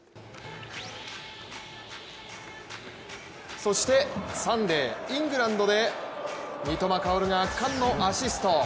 そしてサンデー、イングランドで三笘薫が、圧巻のアシスト。